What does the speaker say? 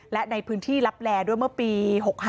และในพื้นที่ลับแลด้วยเมื่อปี๖๕